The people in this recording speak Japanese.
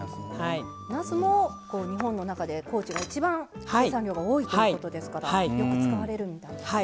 なすも日本の中で高知が一番生産量が多いということですからよく使われるみたいですね。